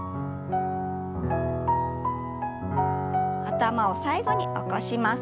頭を最後に起こします。